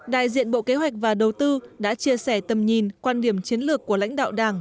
đại diện bộ kế hoạch và đầu tư đã chia sẻ tầm nhìn quan điểm chiến lược của lãnh đạo đảng